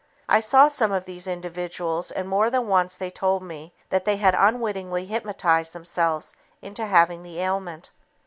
I saw some of these individuals and more than once they told me that they had unwittingly hypnotized themselves into having the ailment.